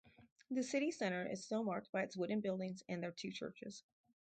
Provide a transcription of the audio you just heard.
The city centre is still marked by its wooden buildings and their two churches.